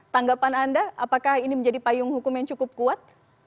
tanggapan anda apakah ini menjadi payung hukum yang cukup kuat